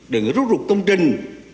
đừng có rút rụt công trình